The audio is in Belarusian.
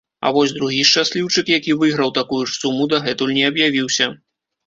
А вось другі шчасліўчык, які выйграў такую ж суму, дагэтуль не аб'явіўся.